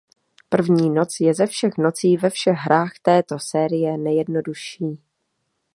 První noc je ze všech nocí ve všech hrách této série nejjednodušší.